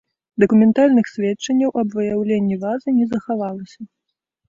Дакументальных сведчанняў аб выяўленні вазы не захавалася.